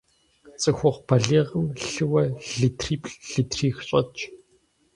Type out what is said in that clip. Цӏыхухъу балигъым лъыуэ литриплӏ-литрих щӏэтщ.